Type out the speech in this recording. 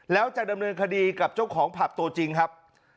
แล้วจะดำเนินคดีกับเจ้าของผับตัวจริงครับ